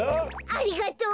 ありがとう。